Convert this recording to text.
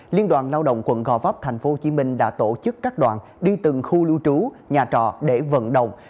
liên đoàn lao động quận gò vấp tp hcm đã tổ chức các đoàn đi từng khu lưu trú nhà trọ để vận động